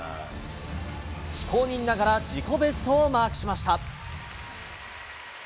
非公認ながら自己ベストをマークしました。